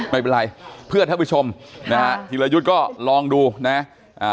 ไม่เป็นไรเพื่อท่านผู้ชมนะฮะธีรยุทธ์ก็ลองดูนะอ่า